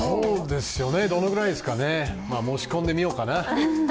どのぐらいですかね、申し込んでみようかな。